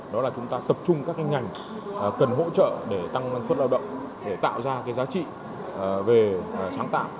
đó là chúng ta tập trung các ngành cần hỗ trợ để tăng năng suất lao động để tạo ra giá trị về sáng tạo